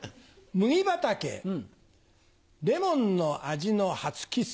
麦畑レモンの味の初キッス